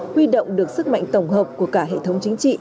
huy động được sức mạnh tổng hợp của cả hệ thống chính trị